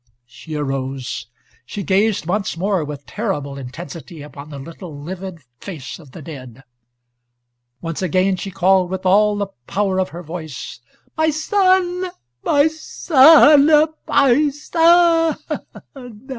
She arose. She gazed once more with terrible intensity upon the little livid face of the dead. Once again she called with all the power of her voice, "My son! My son! My son!"